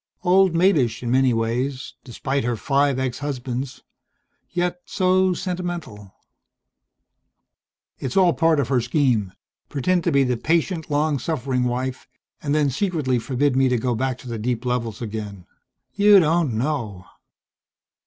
Old maidish in many ways, despite her five ex husbands; yet so sentimental "It's all part of her scheme. Pretend to be the patient, long suffering wife and then secretly forbid me to go back to the deep levels again! You don't know!"